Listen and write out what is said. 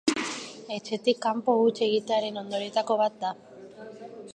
Etxetik kanpo huts egitearen ondorioetako bat da.